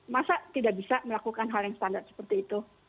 masa tidak bisa melakukan hal yang standar seperti itu